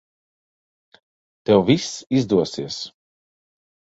Tev viss izdosies.